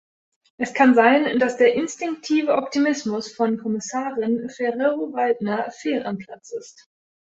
Es kann sein, dass der instinktive Optimismus von Kommissarin Ferrero-Waldner fehl am Platz ist.